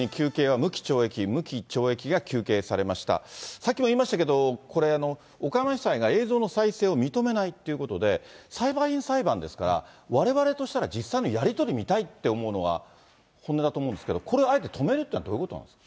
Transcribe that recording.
さっきも言いましたけれども、これ、岡山地裁が映像の再生を認めないっていうことで、裁判員裁判ですから、われわれとしたら、実際のやり取り見たいって思うのは、本音だと思うんですけど、これ、あえて止めるということは、どういうことなんですか。